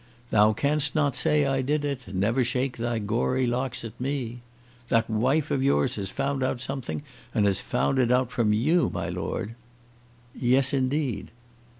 "'Thou canst not say I did it. Never shake thy gory locks at me.' That wife of yours has found out something, and has found it out from you, my Lord." "Yes, indeed."